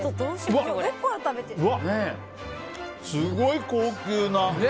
すごい高級な。